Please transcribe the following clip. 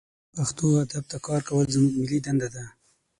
پښتو ادب ته کار کول زمونږ ملي دنده ده